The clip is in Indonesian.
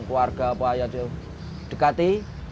keluarga apa yang di dekati